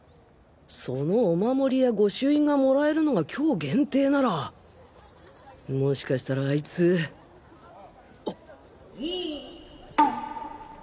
そのお守りや御朱印がもらえるのが今日限定ならもしかしたらアイツあっ！